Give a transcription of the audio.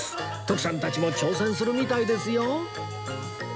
徳さんたちも挑戦するみたいですよ